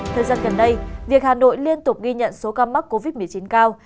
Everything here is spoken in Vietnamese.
thời gian gần đây việc hà nội liên tục ghi nhận số ca mắc covid một mươi chín cao